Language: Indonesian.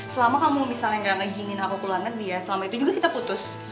selama kamu misalnya gak lagi ingin aku keluar kan dia selama itu juga kita putus